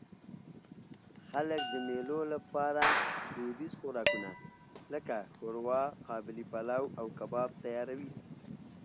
خلک د مېلو له پاره دودیز خوراکونه؛ لکه ښوروا، قابلي پلو، او کباب تیاروي.